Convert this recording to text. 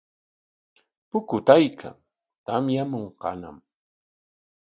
Pukutaykan, tamyamunqañam.